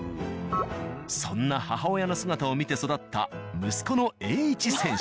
そんな母親の姿を見て育った息子の栄一さん。